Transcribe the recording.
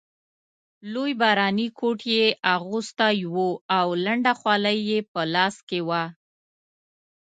لوی باراني کوټ یې اغوستی وو او لنده خولۍ یې په لاس کې وه.